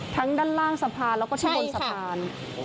ทั้งด้านล่างสะพานแล้วก็ที่บนสะพาน